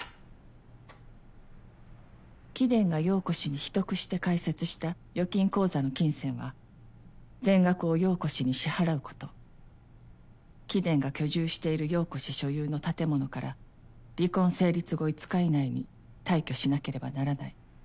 「貴殿が陽子に秘匿して開設した預金口座の金銭は全額を陽子に支払うこと」「貴殿が居住している陽子所有の建物から離婚成立後５日以内に退去しなければならない」